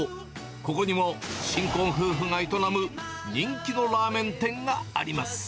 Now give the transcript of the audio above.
ここにも新婚夫婦が営む人気のラーメン店があります。